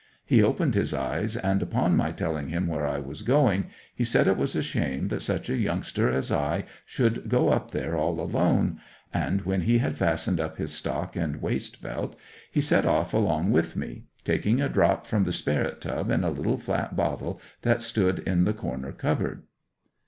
He opened his eyes, and upon my telling him where I was going he said it was a shame that such a youngster as I should go up there all alone; and when he had fastened up his stock and waist belt he set off along with me, taking a drop from the sperrit tub in a little flat bottle that stood in the corner cupboard.